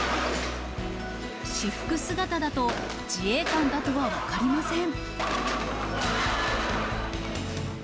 私服姿だと、自衛官だとは分かりません。